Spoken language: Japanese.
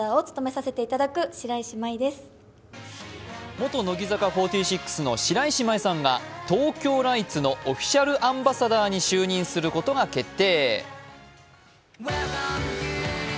元乃木坂４６の白石麻衣さんがＴＯＫＹＯＬＩＧＨＴＳのオフィシャルアンバサダーに就任することが決定。